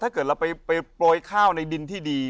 ถ้าเกิดเราไปโปรยข้าวในดินที่ดี